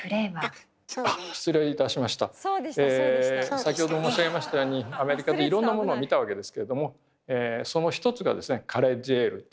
先ほども申し上げましたようにアメリカでいろんなものを見たわけですけれどもその一つがですね「カレッジエール」というものでした。